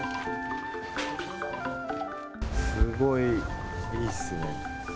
すごいいいっすね。